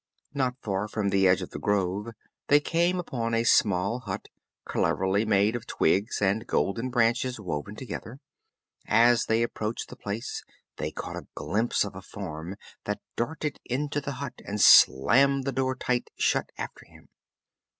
Not far from the edge of the grove they came upon a small hut, cleverly made of twigs and golden branches woven together. As they approached the place they caught a glimpse of a form that darted into the hut and slammed the door tight shut after him.